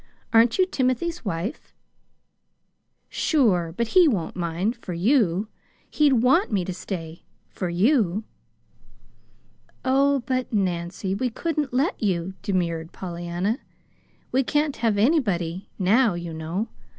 Aren't you Timothy's wife?" "Sure! But he won't mind for you. He'd WANT me to stay for you." "Oh, but, Nancy, we couldn't let you," demurred Pollyanna. "We can't have anybody now, you know.